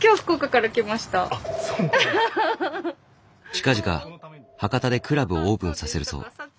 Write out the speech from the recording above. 近々博多でクラブをオープンさせるそう。